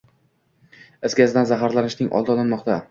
Is gazidan zaharlanishning oldi olinmoqda